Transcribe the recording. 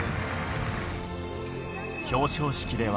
表彰式では。